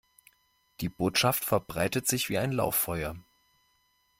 Die Botschaft verbreitet sich wie ein Lauffeuer.